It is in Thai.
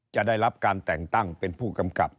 จะได้รับการแต่งตั้งเป็นผู้กำกับ